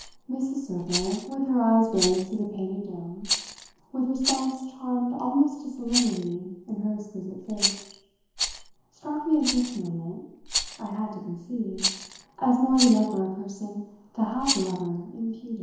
Mrs. Server, with her eyes raised to the painted dome, with response charmed almost to solemnity in her exquisite face, struck me at this moment, I had to concede, as more than ever a person to have a lover imputed.